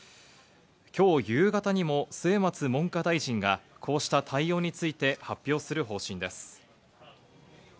今日、夕方にも末松文科大臣がこうした対応について発表する方針です。